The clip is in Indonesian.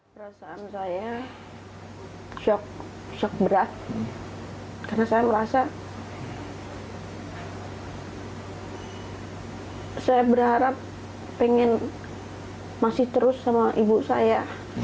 perasaan saya shock berat karena saya merasa saya berharap pengen masih terus sama ibu saya